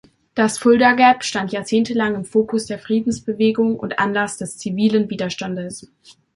Das Fulda Gap stand jahrzehntelang im Fokus der Friedensbewegung und Anlass des zivilen Widerstandes.